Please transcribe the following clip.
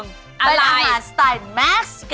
เกลิ่นนิดนึง